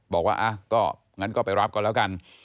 บอกว่าก็งั้นก็ไปรับก่อนแล้วกัน